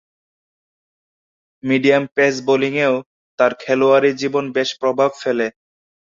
Medium pace বোলিংয়েও তার খেলোয়াড়ী জীবনে বেশ প্রভাব ফেলে।